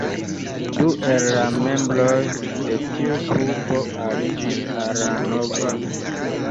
Du el la membroj de tiu klubo aliĝis al la nova.